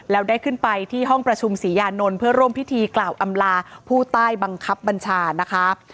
แล้วได้ขึ้นไปที่ห้องประชุมศรียานนท์เพื่อร่วมพิธีกล่าวอำลาผู้ใต้บังคับบัญชานะคะ